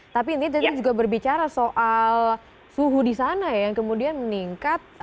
tapi ini tadi juga berbicara soal suhu di sana ya yang kemudian meningkat